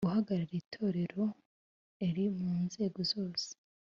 Guhagararira itorero eir mu nzego zose